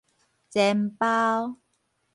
煎包